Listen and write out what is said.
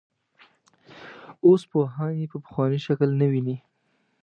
اوس پوهان یې په پخواني شکل نه ویني.